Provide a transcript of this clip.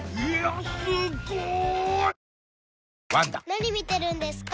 ・何見てるんですか？